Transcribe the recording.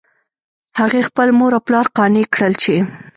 هغې خپل مور او پلار قانع کړل چې